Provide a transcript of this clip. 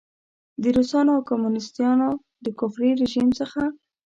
د روسانو او کمونیسټانو د کفري رژیم څخه.